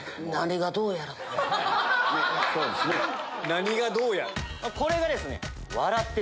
「何がどうやら」。